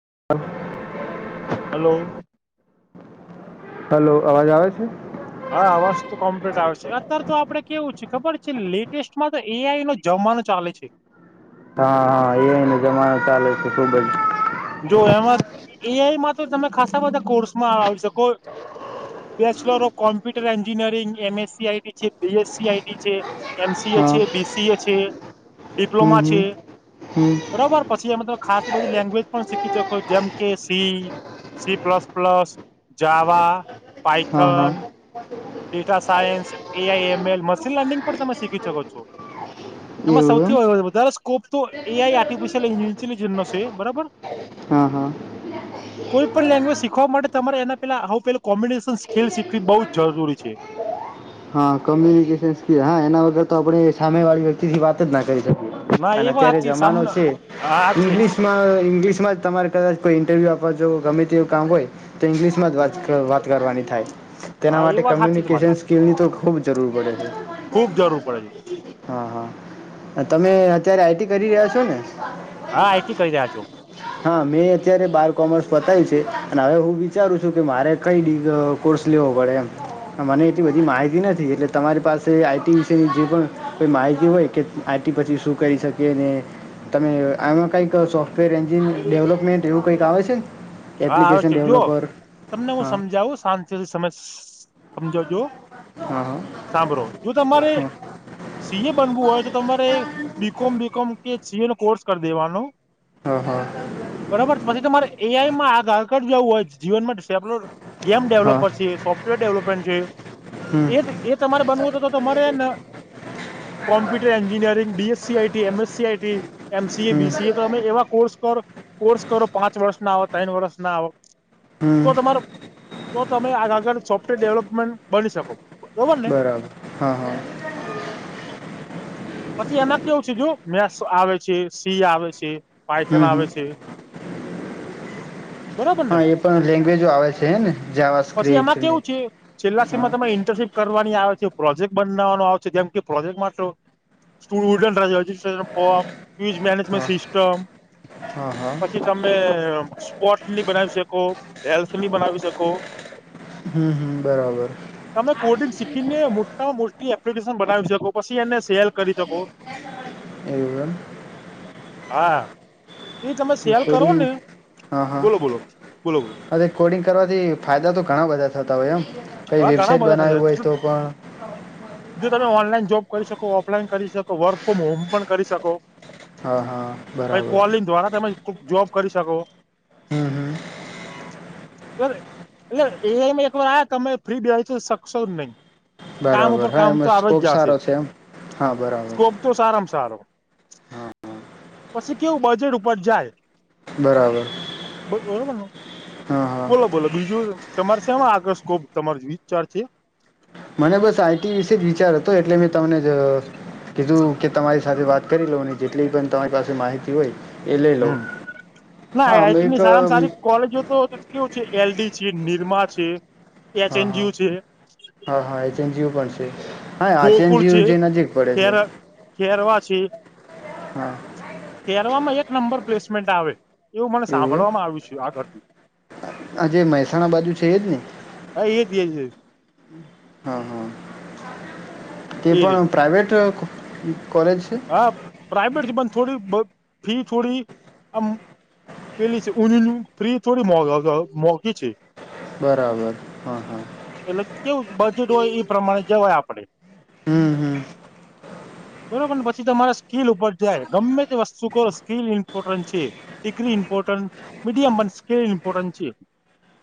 [inaudible] Hello અવાજ આવે છે. હા વસ્તુ કમ્પ્લીટ આવે છે અત્યારે તો આપડે કેવું છે ખબર છે લેટેસ્ટમાં તો એઆઈ નો જમાનો ચાલે છે. હા હા એ ન જમાના ચાલે છે ખુબ જ જો એમાં એઆ તો તમે ખાસા બધા કોર્સમાં આવી શકો bachelor of computer engineering MSc IT છે બીએસસી આઈટી છે એમસીએ હા છે બીસીએ છે ડિપ્લોમા હમ છે. હમ હમ બરોબર પછી એમ ખાસ એ બધી લેંગ્વેજ પણ શીખી શકો જેમ કે C C plus plus Java હા હા Python data science AI M L machine learning પણ તમે શીખી શકો છો એમાં એવું એમ સૌથી વધારે સ્કોપ તો એ આઈ આર્ટિફિશયલ ઇન્ટેલજન્સ નો છે બરાબર હા હા કોઈ પણ લેંગ્વેજ શીખવા માટે તમારે એના પેલા પે કોમ્યુનિકેશન સ્કીલ શીખવી બહુ જ જરૂરી છે. છે. હા કોમ્યુનિકેશન સ્કીલ હા એના વગર તો આપણે સામે વાળી વ્યક્તિ થી વાત જ ના એ અને વાત અત્યારે છે જમાનો સામને છે હા હાચી જ ઇંગ્લશમાં ઇંગ્લી તમારે કદાચ કોઈ ઇન્ટરવ્યુ આપવા જો ગમે તેવું કામ હોય. તો ઇંગ્લિશ માં જ છે વાત વાત કરવાની થાય. તેના હા એ માટે વાત હાચી તમારી કમ્યુનિકેશન સ્કીલની તો જરૂર પડે છે. ખુબ જરૂર પડે છે [inaudible] હા હા તમે અત્યારે આઈટી કરી રહ્યા છો ને. [inaudible] હા આઈટી કરી રહ્યા છો હા મેં અત્યારે બાર કોમર્સ પતાયું છે અને હવે હું વિચારું છું કે મારે કઈ ડિગ કોર્સ લેવો પડે એમ મને એટલી બધી માહિતી નથી. નથી એટલે તમારી પાસે આઈટી વિશેની જે પણ કોઈ માહિતી હોય કે આઈટી પછી શું કરી શકીએ ને તમે આમાં કંઈક સોફ્ટવેર એન્જિન ડેવલપમેન્ટ એવું કંઈક આવે છે. હા આવે એપ્લિકેશન છે જુઓ ડેવલપર તમને હું સમજાવું શાંતિ સમજ [inaudible] હા-હા. સાંભળો જો તમારે સીએ બનવું હોય તો તમારે બીકોમ બીકોમ કે સીએ નો કોર્સ કરી દેવાનો હા હા બરોબર પછી તમારે એઆઈ. માં આગળ જવું હોય જીવન માટે સેપલો ગેમ હા ડેવલપર હા છે સોફ્ટવેર ડેવલપ પણ છે. હમ એ એ તમારે બનવું તો તમારે હેને computer engineering DSc IT MSc IT MCA હમ બીસીએ તો અમે એવા કોર્સ કરો કોર્સ કરો પાંચ વર્ષ ના ત્રણ વર્ષ ના આવ તો હમ તમારો તો તમે આગળ સોફ્ટવેર ડેવલપમેન્ટ બની શકો બરોબરને. બરાબર હા હા પછી એમાં કેવું છે જો મેસ આવે છે સી આવે છે. પાાયથન હમ આવે હમ છે. બરાબર ને હા એ પણ લેંગ્વેજો આવે છે ને જાવા પછી સ્ક્રિપ્ટ એમાં ને કેવું છે. છેલ્લા હા સેમમાં તમે ઇન્ટર્નશીપ કરવાની આવે છે પ્રોજેક્ટ બનાવાનો આવે છે જેમ કે પ્રોજેક્ટ માટે સ્ટુડન્ટ રજિસ્ટ્રેશન ફોર્મ હા મેનેજમેન્ટ સિસ્ટમ હા હા પછી તમે સ્પોર્ટલી બનાવી શકો હેલ્થલી બનાવી શકો. હમ્મ હમ્મ બરાબર. તમે કોડિંગ શીખીને મોટા મોટી એપ્લિકેશન બનાવી શકો પછી એને સેલ કરી શકો. એવું એમ એ તમે સેલ કરો કોડિંગ ને હા હા બોલો બોલો બોલો બોલો અરે કોડિંગ કરવાથી ફાયદા તો ઘણા બધા થતા હોય એમ. કઈ હા ઘણા વેબસાઇટ બધા થશે બનાવ હોય તો જો પણ તમે ઓનલાઈન જોબ કરી શકો ઓફલાઈન કરી શકો વર્ક ફ્રોમ હોમ પણ કરી શકો હા હા પહિ બરાબર. કોલિંગ દ્વારા તમે જોબ કરી શકો હમ હમ એક વાર આ તમે ફ્રી બેય તો શકશો નહીં. બરાબર હા એમાં સ્કોબ સારો છે એમ હા બરાબર. સ્કોપ તો સારામાં સારો પછી કેવું બજેટ ઉપર જાય. બરાબર બ મ હા હા બોલો બોલો બીજું છે. સમરસમાં આગસકો તમાર વિચાર છે. મને બસ આઈટી વિશે જ વિચાર હતો એટલે મેં તમને જ કીધું કે તમારી સાથે વાત કરી લોને જેટલી પણ તમારી પાસે માહિતી કે હોય એ લઈ હ લઉં ના હા અમે એક આઆઈટીની સારામાં સારી હા કોલેજો તો કેવું છે એલડી છે નિરમા છે હા હા એચએનજીયુ છે હા હા એજન્જીઓ પણ છે [inaudible] હા ગોકુળ છે આચેનજીવું જે નજીક પડે છે ખેર ખેરવા છે હા ખેરવામાં એક નંબર પ્લેસમેન્ટ આવે. એવું મને સાંભળવામાં આવ્યું છે. આ ઘરથી આજે મહેસાણા બાજુ છે એજ ને [inaudible] હા હા તે એ રહી પણ પ્રાાઈવેટ [inaudible] હા પ્રાઈવેટથી બન થોડી ફી થોડી આમ પેલી છે ઉઊનીની ફી થોડી મોઘ મોઘી છે બરાબર હા હા. એટલે કેવું હોય એ પ્રમાણે જવાય આપડણે. હમ હમ બરોબર બ તમારા સ્કીલ ઉપર જાય ગમે તે વસ્તુ કરો સ્કીલ ઇમ્પોર્ટન્ટ છે degree important medium skill important છે.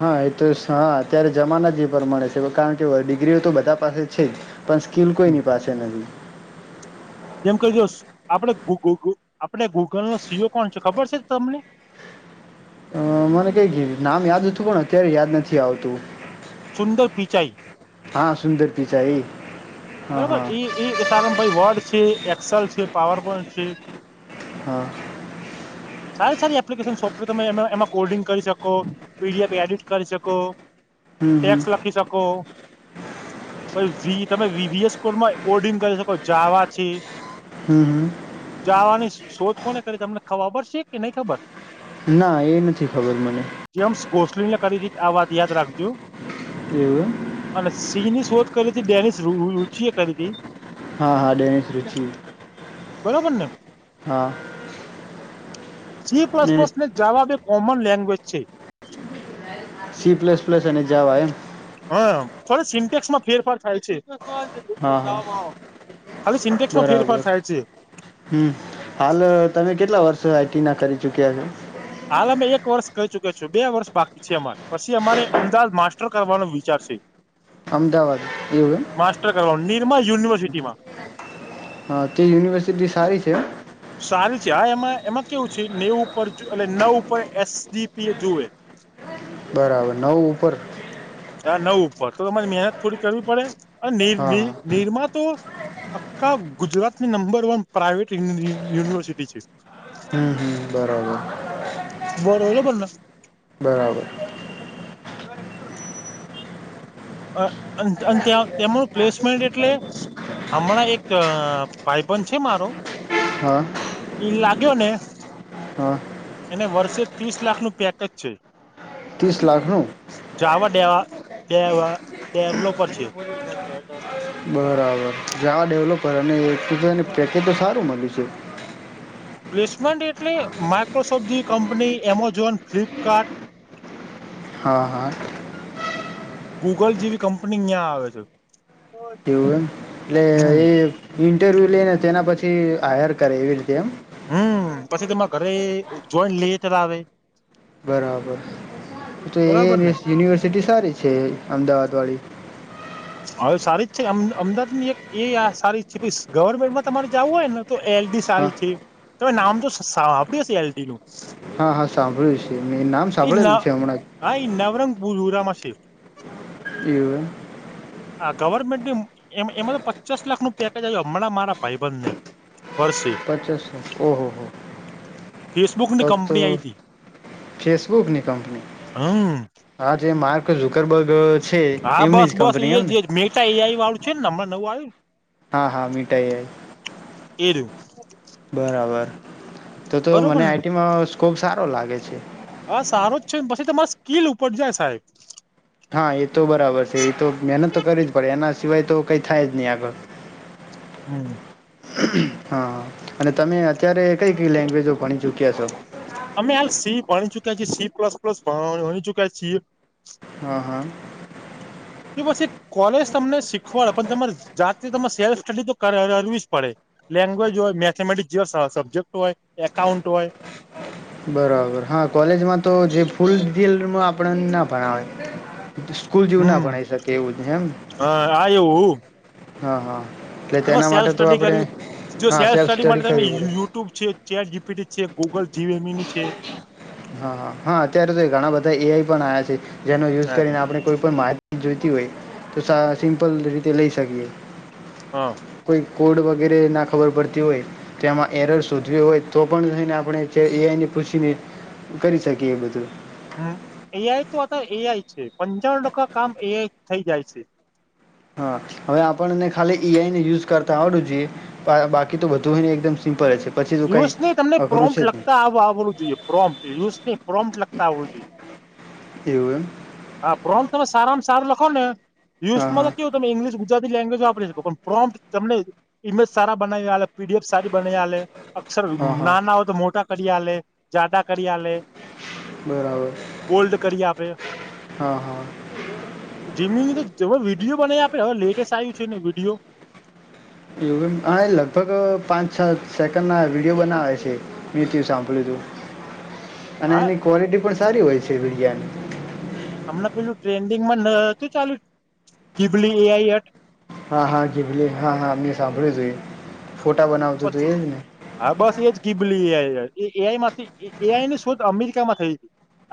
હા એ તો હા અત્યારે જમાના જ પણ મળે છે કારણ કે ડિગ્રીઓ તો બધા પાસે છે પણ સ્કીલ કોઈની પાસે નથી. જેમ કહી દ આપડ ગગ આપણે ગૂગલનોો સીઓ કોણ છે ખબર છે તમને અ મને કઈ ગય નામ યાદ હતું પણ અત્યારે યાદ નથી આવતું. સુંદર પિચાઈ હા, સુંદર પીછાઈ. બરોબર, ઈ ઈ સાર ભાઈ વર્ડ. છે એક્સેલ છે, પાવર પોઈન્ટ છે. હા. સારી સારી એપ્લિકેશન સોફ્ટવેર, તમે એમાં કોલ્ડિંગ કરી શકો, પીડીએફ એડિટ કરી શકો. હમ હમ ટેક્સ લખી શકો. પછી તમે વી. રિયઝ રસકોર માં ઓડિંગ કરી શકો જાવા છે. હમ, હમ. જાવાની શોધ કોને કરી? તમને ખબર છે કે નહી ખબર? ના, એ નથી ખબર મને. ગોસલી ને કલીલી, આ વાત યાદ રાખજો. એવું એમ અને સિંહની શોધ. કલે ડેનિસ ર. શી ખરી હતી. હા, હા, ડણીસ રુચિ. બરોબર ને. હા. સી પ્લસ બસ ને જવાબે. કોમન લેંગવેજ છે. સી પ્લસ પ્લસ અને જવા એમ. હા, સો સિન્ટેક્સમાં ફેરફાર થાય છે. હા, ખાલી હા, સિન્ટેક્સમાં બરાબર. ફેરફાર થાય છે હમ, હાલ તમે કેટલા વર્ષ? સ આઈટી ના કરી ચુક્યા છે. હાલ અમે એક વર્ષ કહી ચુક્યા છુ, બે વર્ષ બાકી છે અમારે. પછી અમારે અમદાવાદ માસ્ટર કરવાનો વિચાર છે. અમદાવાદ એવું. એમાં યુનિવર્સિટીમાં હા, તે યુનિવર્સિટી સારી છે એમ. ત્યાં એમાં એમાં કેવું છે નેવ ઉપર. એટલે નવ ઉપર એસડીપી એ જુએ. બરાબર, નવ. ઉપર. ના, નવ ઉપર તો તમારે મહેનત થોડી કરવી પડે. હા નિ, હા નિરમા તો. આખા ગુજરાતની નંબર વન પ્રાઈવેટ યુનિવર્સિટી છે. હમ બરાબર. બરોલો બને. બરાબર અ તેમનું પ્લેસમેન્ટ એટલે, હમણાં એક ભાઈબંધ છે મારો. હા ઈ લાગ્યોને હા એને વર્ષે તીસ લાખનું પેકેજ છે. તીસ લાખનું? દેવા ડેવલોપર છે. બરાબર જાવા ડેવલોપર અને તો તો એને પેકેજ તો સારું મળ્યું છે. પ્લેસમેન્ટ એટલે માઇક્રોસોફ્ટ જે કંપની એમઝોન, ફ્લિપકાર્ટ હા હા ગૂગલ જેવી કંપની ઈયા આવે છે. તેવું એમ એટલે હમ. એ ઇન્ટરવ્યૂ લે ને તેના પછી હાયર કરે એવી રીતે એમ? હમ પછી તમારે ઘરે જોઈન લેટર આવે બરાબર તો એ બરાબર ને યુનિવર્સિટી સારી છે અમદાવાદવાળી હવે સારી જ છે અમ અમદાવાદની એક એ આ સારી જ છે ભઈ ગવર્મેન્ટમાં તમારે જાવું હોય ને તો એલડી હા સારી છે. તમે નામ તો સા સાંભળ્યું હશે એલડીનું હા હા સાંભળ્યું છે. મેં નામ સાંભળેલું છે હમણાં બુલુરામાં સે એવું એમ આ ગવર્મેન્ટ એમ એમાં તો પચાસ લાખનું પેકેજ આયું હમણાં મારા ભાઈબંધને વર્ષે પચાસો ઓહો હો ફેસબુક તો ની તો કંપની આઈ હતી ફેસબુકની કંપની હમ હા જે માર્ ક ઝુકરબગ હા બસ બસ એજ એજ મેટા એઆઈ વાળું છે ન હમના નવું આયું ન હા હા મેટા એઆઈ એ રયુ બરાબર તો તો બરોબર મને ને આઈટીમાં સ્કોપ સાર રો લાગે છે. હા સારો જ છે ન પછી તમારા સ્કીલ ઉપર જાય સાહેબ હા એ તો બરાબર છે. ઈ તો મહેનત તો કરવી જ પડે એના સિવાય તો કઈ થાય જ નહી આગળ હમ હા હા અને તમે અત્યારે કઈ કઈ લેંગ્વેજો ભણી ચુક્યા છો? અમે હાલ સી ભણી ચુક્યા છી સી પ્લસ પ્લસ ભણી ચુક્યા છીએ. હા હા જો પછી કોલેજ તમને શીખવાડે પણ તમારે જાતે તમારે સેલ્ફ સ્ટડી તો કર કરવી જ પડે. લેંગ્વેજ હોય મેથેમેટિક્સ જેવા સબ્જેક્ટ હોય, એકાઉન્ટ હોય, બરાબર હા કોલેજમાં તો જે ફૂલડિલ માં આપણને ના ભણાવે ઈ તો સ્કૂલ જેવું ના હમ ભણાઈ શકે એવું જ એમ ને હા હા. તમારે સેલ્ફ માટે તો સ્ટડી આપણે કરવી જો હા સેલ્ફ સ્ટડી માટે તમે કરવી પડે યુટ્યુબ છે. ચાર્ટ જીપીટી છે ગૂગલ જીએમની છે. હાહા, હા અત્યારે તો ઘણા બધાં એઆઈ પણ આયા છે. જેનો યુઝ કરીને અચ્છા આપણે કોઈ પણ માહિતી જોઈ હોય તોસા સિમ્પલ રીતે લઈ શકીએ. હા કોઈ કોડ વ વગેરે ના ખબર પડતી હોય તો એમાં એરર શોધ્યો હોય તો પણ થઈને આપણે એ પૂછીને કરી શકીએ બધું. હમ, એઆઈ તો એઆઈ છે પંચાણું ટકા કામ એઆઈથી થઈ જાય છે. હા, હવે આપણને ખાલી એઆઈનો યુઝ કરતાં આવડવું જોઈએ બાકી તો બધું હોયને એકદમ સિમ્પલ જ છે. પછી તો કંઈ યુઝની તમને અઘરું પ્રોમ્પ છે જ લખતાં આવડવું જોઈએ પ્રોમ યુઝ પ્રોમપ લખતા આવડવું જોઈએ. એવું એમ. હા, પ્રોમ તમે સારામાં સારું લખોને એમ હા યુઝમાં તો હા કેવું તમે ઈગ્લિંશ ગુજરાતી લેંગ્વેજ વાપરે લોકોન પ્રોમ તમને ઇમેજ સારા બનાય આલે પીડીએફ સારી બનાય આલે અક્ષર હા હા નાનાં હોય તો મોટા કરિયાલે જાદા કરિયાલે બરાબર [inaudible] બોલ્ડ કરી આપે. હા હા. વિડીયો બનાવી આપે હવે લેટેસ્ટ આવ્યું છેને વિડીયો. એવું હ લગભગ પાંચ છ સેકન્ડ નાં વિડીયો બનાવે છે મે તેવું સાંભળ્યુંતું. અને હા એની ક્વોલિટી પણ સારી હોય. [unintelligible] હમણાં પેલું ટ્રેન્ડિંગમાં ન હતું ચાલું ગીભલી એઆઈ અટ. હા હા ગીભલી હા હા મેં સાંભ [unintelligible] પછી હા બસ એજ ગીભલી એઆઈ. એઆઈ માંથી એઆઈની શોધ અમેરિકામાં થઈ હતી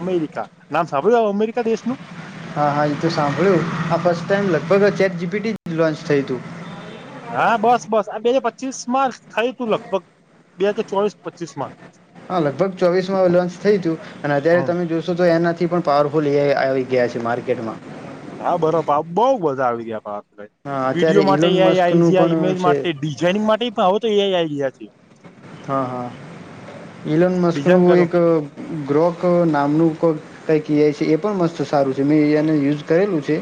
અમેરિકા નામ સાંભળ્યું અમેરિકા દેશનું? હા હા, એતો સાંભળ્યું આ ફસ્ટ ટાઈમ લગભગજ ચાર્ટ જીભીટી લોન્ચ થયુંતું. હા બસ બસ, આ બે હજાર પચ્ચીસમાં થયુંતું લગભગ બે હજાર ચોવીસ પચ્ચીસમાં. હા લગભગ ચોવીસમાં લોન્ચ થયુતું અને અત્યારે હમ તમે જોશો તો એના થીપણ પાવરફુલ એઆઈ આવી ગયા છે માર્કેટમાં. હા, બરો પા બઉ બઘાં આવી ગયાં પા. હા અત્યારે વિડીયો માટે ઇલોન એઆઈ આઈ મસ્કનું જયાં ઇમેજ પણ છે માટે ડિઝાઇનિંગ માટે પણ હવેતો એઆઈ આઈ છે. હા હા, ઈલોન ડિઝાઇન મસ્કનું કરો એક ગ્રોક નામનું કઈક એઆઈ એ પણ મસ્ત સારું છે મેંને યુઝ કરેલું છે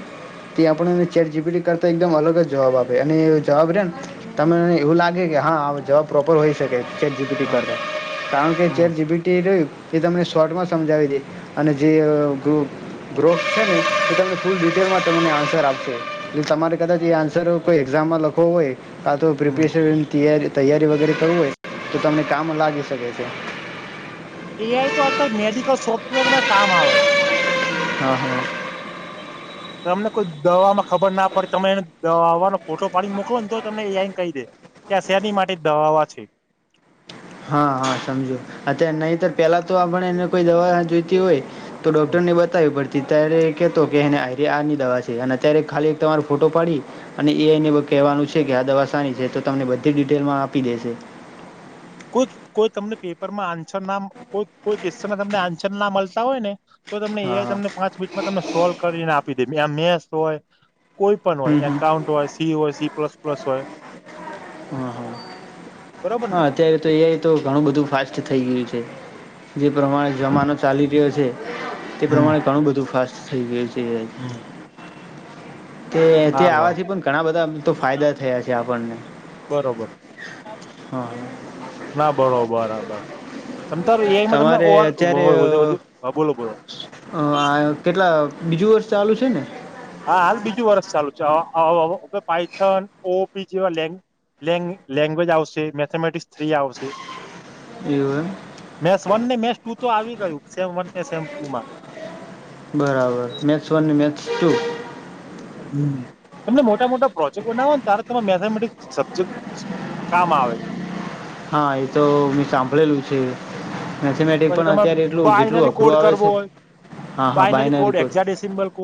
તે આપણનેને ચેટ જીબીટી કરતાં એકદમ અલગ જવાબ આપે અને એ જવાબ રહે ને તમનેને એવું લાગે કે હા આ જવાબ પ્રોપર હોય ચેટ જીિટી કરી હા કારણ કે હમ ચેટ જિટી ર એ તમને શોર્ટમાં સમજાવી દે અને જે ગ ગ્રોપસ છે ને એ તમને ફૂલ ડિટેલમાં તમને આન્સર આપશે એટલે તમારે કદાચ એ આન્સર કોઈ એક્ઝામમાં લખવો હોય હા તો હમ પ્રિપેશન તય તૈયારી વગેરે કરવુંય તો તમને કામ લાગી શકે છે સોફ્ટવેર માં કામ આવે [inaudible] તમને કોઈ દવામાં ખબર ના પડે તમે એને દવાનો ફોટો પાડીને મોકલો ને તો તમને એ કહી દે કે આ શેરની માટે દવાવા છે હા હા સમજો અત્યારે નહીતર પેલા તો આપણે એને કોઈ દવા જોઈતી હોય તો ડોક્ટર ને બતાવી પડતી ત કતો કેને આરની દવા છે અને અ્યારે ખાલી તમારો ફોટો પાડી અને એને કહેવાનું છે કે આ દવા સારી છે તો તમને બધી ડિટેલમાં આપી દેશે કોઈ કોઈ તમને પેપર માં આ ના મળતા હોય ને તો તમને હા એ હા તમને પાંચિનિટમાં તમ સોલ્વ કરીને આપી મેસ હોય કોઈ પણ હોય હમ હમ એકાઉન્ટ હોય સી હોય સી પ્લાસ પ્લાસ હોય હા હા બરોબર ને હા અત્યારે તો એ તો ઘણું બધું બધું ફાસ્ટ થઈ ગયું છે જે પ્રમાણે જમાનો ચાલી રહ્યો છે તે હમ પ્રમાણે ઘણું બધું ફાસ્ટ થઈ ગયું છે હમ તે તે હાર વાર આવાથી પણ ઘણા બધા તો ફાયદા થયા છે આપણને બરોબર હ ના બરોબર બરાબર એમ તો એમાં તમને તમારે ઓવાર અત્યારે વધુ અ બોલો બોલો આ કેટલા બીજું વર્ષ ચાલુ છે ને હા હાલ બીજું વરષ ચાલુ છે પાઈથન ઓપી જેવા લેંગ્વેજ આવશે મેથેમેટિક્સ થ્રી આવશે એવું મેસ વન ને મેસ ટુ તો આવી સેમ વન ને સેમ ટુ માં એમ બરાબર મેથ્સ [unintelligible] તમને મોટા મોટા પ્રોજેક્ટ બનાવો ને ત્યારે તમે મેથેમેટિક સબ્જેક્ટ કામ આવે હા એ તો મેં સાંભળેલું છે મેથેમેટિક પછી પણ તમે અત્યારે એટલું જેટલું બાયનરી અઘરું કોડ આવે કરવો છે હોય હા હા બાયનરી બાયનરીડ કોડ એક્ઝાડેસિમ્બલ